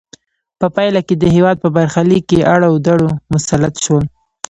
په پایله کې د هېواد په برخه لیک کې اړ او دوړ مسلط شول.